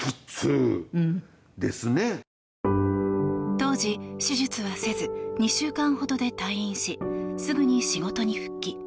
当時、手術はせず２週間ほどで退院しすぐに仕事に復帰。